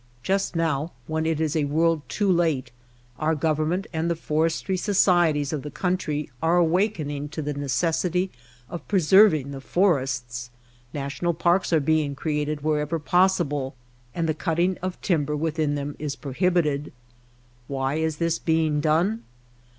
Just now, when it is a world too late, our Government and the forestry societies of the country are awakening to the necessity of preserving the forests. National parks are THE BOTTOM OF THE BOWL 69 being created wherever possible and the cutting of timber within them is prohibited. Why is this being done